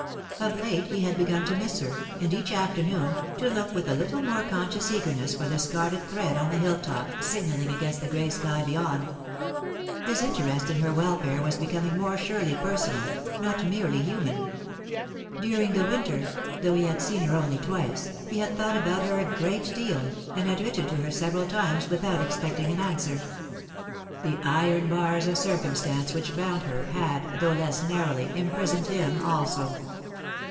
Of late he had begun to miss her, and, each afternoon, to look with a little more conscious eagerness for the scarlet thread on the hill top signalling against the grey sky beyond. His interest in her welfare was becoming more surely personal, not merely human. During the Winter, though he had seen her only twice, he had thought about her a great deal, and had written to her several times without expecting an answer. The iron bars of circumstance which bound her, had, though less narrowly, imprisoned him also.